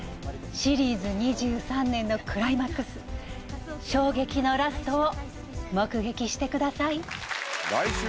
シリーズ２３年のクライマックス衝撃のラストを目撃してください。